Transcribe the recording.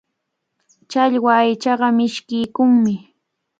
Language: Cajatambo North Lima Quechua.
Challwa aychaqa mishkiykunmi.